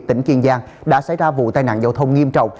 tỉnh kiên giang đã xảy ra vụ tai nạn giao thông nghiêm trọng